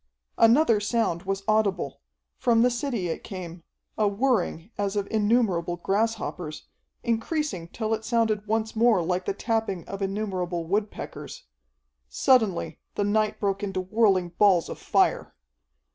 Another sound was audible. From the city it came, a whirring as of innumerable grasshoppers, increasing till it sounded once more like the tapping of innumerable woodpeckers. Suddenly the night broke into whirling balls of fire.